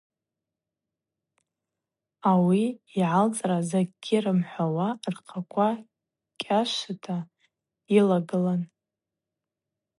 Ауи йгӏалцӏла закӏгьи рымхӏвауа рхъаква кӏашвата йалагылан.